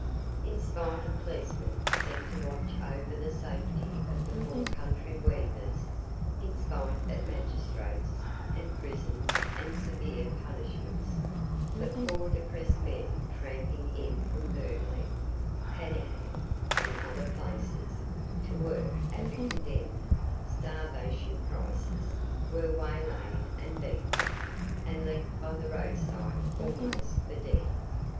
In spite of policemen set to watch over the safety of the poor country weavers, in spite of magistrates, and prisons, and severe punishments, the poor depressed men tramping in from Burnley, Padiham, and other places, to work at the condemned "Starvation Prices," were waylaid, and beaten, and left almost for dead by the road side.